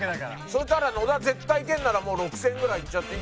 そしたら野田絶対いけるなら６０００ぐらいいっちゃって。